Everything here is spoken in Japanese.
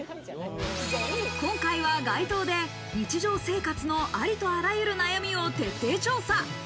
今回は街頭で日常生活のありとあらゆる悩みを徹底調査。